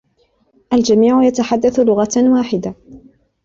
الجميع يتحدث لغةً واحدةً.